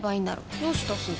どうしたすず？